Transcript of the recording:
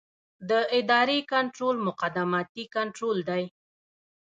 د ادارې کنټرول مقدماتي کنټرول دی.